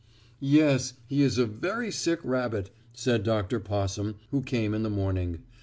"Yes, he is a very sick rabbit," said Dr. Possum, who came in the morning.